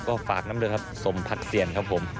ก็ฝากน้ำด้วยครับสมพัดเซียนครับผม